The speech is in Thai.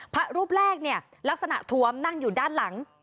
พระรูปแรกเนี่ยลักษณะทวมนั่งอยู่ด้านหลัง